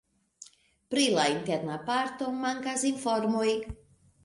Pri la interna parto mankas informoj.